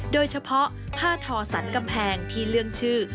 โดยเฉพาะผ้าทอสันกำแพงที่เรื่องชื่อ